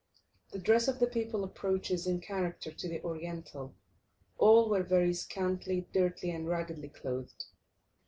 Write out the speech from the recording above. The dress of the people approaches in character to the Oriental; all were very scantily, dirtily, and raggedly clothed.